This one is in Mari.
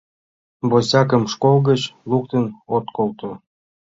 Босякым школ гыч луктын от колто.